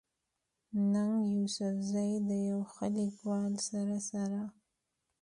ننګ يوسفزۍ د يو ښه ليکوال سره سره